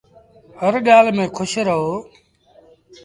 هر ڳآل ميݩ کُوش رهو